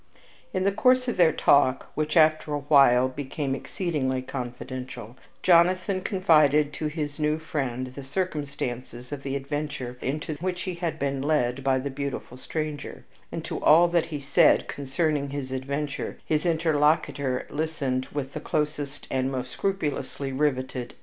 In the course of their talk, which after a while became exceedingly confidential, Jonathan confided to his new friend the circumstances of the adventure into which he had been led by the beautiful stranger, and to all that he said concerning his adventure his interlocutor listened with the closest and most scrupulously riveted attention.